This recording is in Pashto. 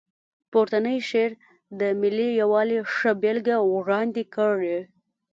پورتنی شعر د ملي یووالي ښه بېلګه وړاندې کړې.